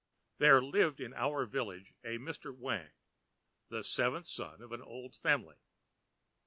There lived in our village a Mr. Wang, the seventh son in an old family.